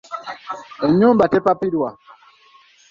Ennyumba tepapirwa.